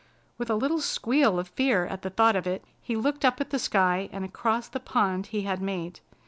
With a little squeal of fear at the thought of it, he looked up at the sky and across the pond he had made.